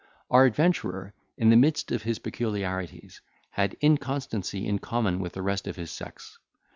Our adventurer, in the midst of his peculiarities, had inconstancy in common with the rest of his sex.